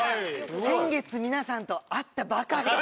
先月皆さんと会ったばかり！